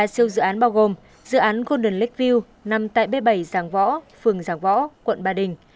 ba siêu dự án bao gồm dự án golden lake view nằm tại b bảy giàng võ phường giàng võ quận ba đình